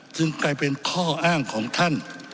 กลายเป็นข้ออ้างของท่าน